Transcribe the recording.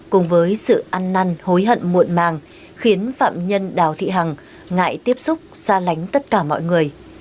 cùng với sự ăn năn hối hận muộn màng khiến phạm nhân đào thị hằng ngại tiếp xúc xa lánh tất cả mọi người